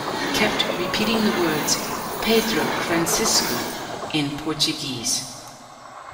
kept repeating the words “Pedro Francisco” in Portuguese.